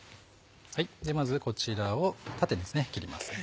まずこちらを縦に切りますね。